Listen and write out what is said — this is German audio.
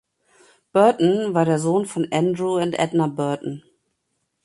Burton war der Sohn von Andrew and Edna Burton.